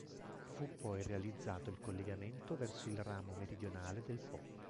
Fu poi realizzato il collegamento verso il ramo meridionale del Po.